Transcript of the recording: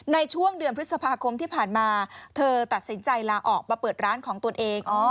ในช่วงเดือนพฤษภาคมที่ผ่านมาเธอตัดสินใจลาออกมาเปิดร้านของตนเอง